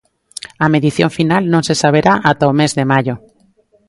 A medición final non se saberá ata o mes de maio.